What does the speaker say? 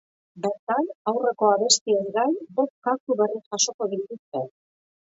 Bertan, aurreko abestiez gain, bost kantu berri jasoko dituzte.